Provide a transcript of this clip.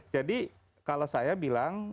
jadi kalau saya bilang